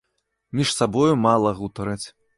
Між сабою мала гутараць.